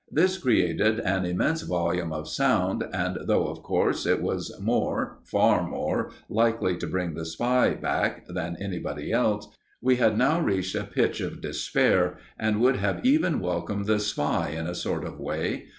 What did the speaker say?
This created an immense volume of sound, and though, of course, it was more far more likely to bring the spy back than anybody else, we had now reached a pitch of despair, and would have even welcomed the spy in a sort of way.